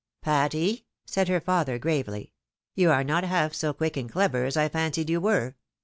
"Patty!" said her father, gravely, "you are not half so quick and clever as I fancied you were.